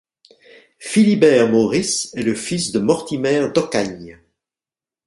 Philibert Maurice est le fils de Mortimer d'Ocagne.